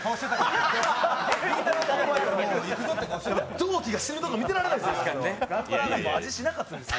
同期が死ぬとこ見てられなかったですよ。